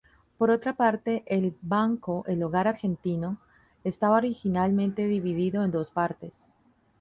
Por otra parte, el Banco El Hogar Argentino estaba originalmente dividido en dos partes.